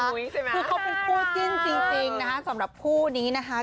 คู่นี้ของกูจิ้นจริงน่ะสำหรับคู่นี้นะคะ